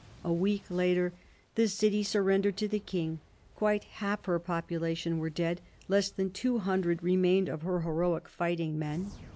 A week later the city sur rendered to the King : quite half her population were dead; less than two hundred remained of her heroic fighting men.